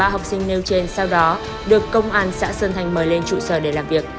ba học sinh nêu trên sau đó được công an xã sơn thành mời lên trụ sở để làm việc